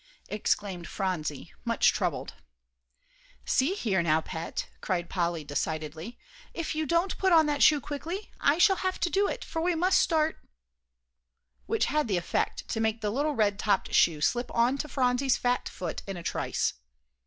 exclaimed Phronsie, much troubled. "See here now, Pet," cried Polly, decidedly, "if you don't pull on that shoe quickly, I shall have to do it, for we must start " which had the effect to make the little red topped shoe slip on to Phronsie's fat foot in a trice.